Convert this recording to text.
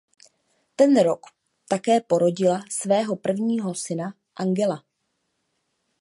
Ten rok také porodila svého prvního syna Angela.